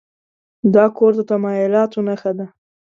دا کور د تمایلاتو نښه ده.